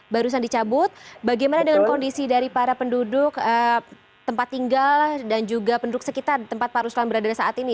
barusan dicabut bagaimana dengan kondisi dari para penduduk tempat tinggal dan juga penduduk sekitar tempat pak ruslan berada saat ini